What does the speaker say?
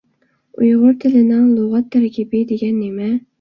ئۇيغۇر تىلىنىڭ لۇغەت تەركىبى دېگەن نېمە؟